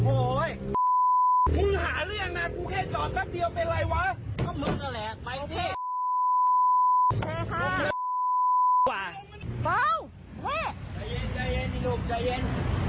โอ้ยใจเย็นนะครับทุกคน